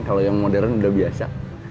kalau yang modern sudah biasa